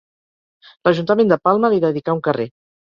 L'Ajuntament de Palma li dedicà un carrer.